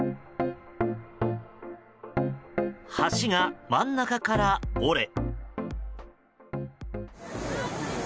橋が真ん中から折れ。